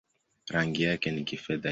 Rangi yake ni kifedha-nyeupe.